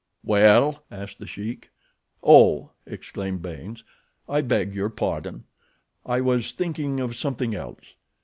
"Well?" asked The Sheik. "Oh," exclaimed Baynes; "I beg your pardon—I was thinking of something else.